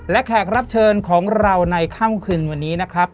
และแขกรับเชิญของเราในค่ำคืนวันนี้นะครับ